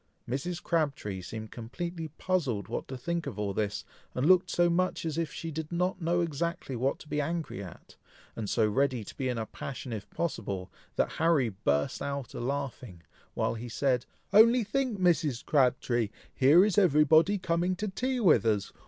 Mrs. Crabtree seemed completely puzzled what to think of all this, and looked so much as if she did not know exactly what to be angry at, and so ready to be in a passion if possible, that Harry burst out a laughing, while he said, "Only think Mrs. Crabtree! here is every body coming to tea with us!